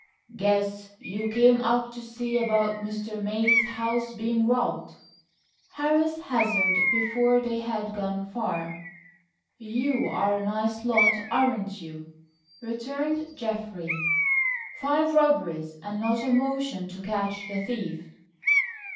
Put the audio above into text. "Guess you come up to see about Mr. May's house being robbed?" Harris hazarded before they had gone far. "You're a nice lot, aren't you?" returned Geoffrey. "Five robberies and not a motion to catch the thief!"